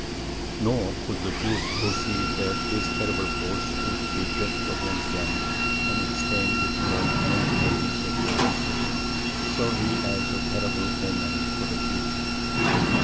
Nor could the Jews foresee that this terrible force would be directed against them, and would stain with blood many pages of their history, serving as a terrible omen for the future.